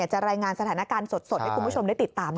จะรายงานสถานการณ์สดให้คุณผู้ชมได้ติดตาม